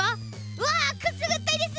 うわくすぐったいです。